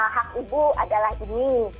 hak ibu adalah ini